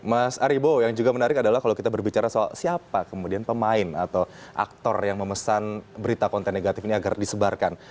mas aribo yang juga menarik adalah kalau kita berbicara soal siapa kemudian pemain atau aktor yang memesan berita konten negatif ini agar disebarkan